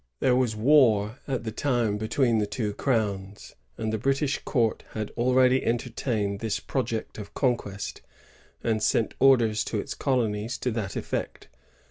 There was war at the time between the two Crowns; and the British court had already enter tained this project of conquest, and sent orders to its colonies to that effect.